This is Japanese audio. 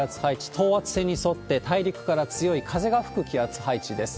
等圧線に沿って、大陸から強い風が吹く気圧配置です。